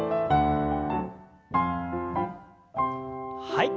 はい。